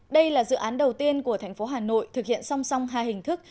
đây là dự án đầu tiên của thành phố hà nội thực hiện song song hai hình thức